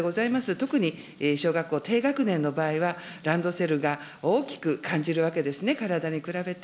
特に小学校低学年の場合は、ランドセルは大きく感じるわけですね、体に比べて。